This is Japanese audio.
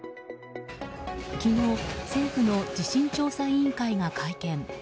昨日、政府の地震調査委員会が会見。